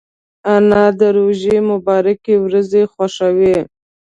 انا د روژې مبارکې ورځې خوښوي